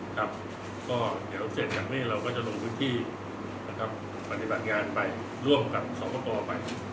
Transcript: ก็เดี๋ยวเสร็จอย่างนี้เราก็จะลงวิธีปฏิบัติงานไปร่วมกับสร้างประกอบไป